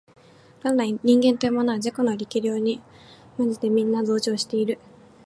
元来人間というものは自己の力量に慢じてみんな増長している